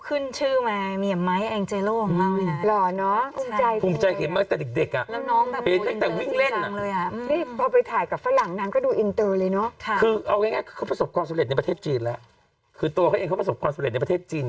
อืมแต่คนเคยเล่นคอนเสิร์ตทุกวันด้วยใช่